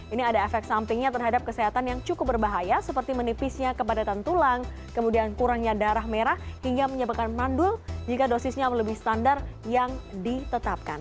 ini ada efek sampingnya terhadap kesehatan yang cukup berbahaya seperti menipisnya kepadatan tulang kemudian kurangnya darah merah hingga menyebabkan mandul jika dosisnya melebihi standar yang ditetapkan